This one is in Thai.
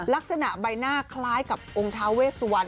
ลักษณะใบหน้าคล้ายกับองค์ท้าเวสวัน